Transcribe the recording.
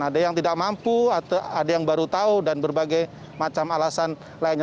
ada yang tidak mampu ada yang baru tahu dan berbagai macam alasan lainnya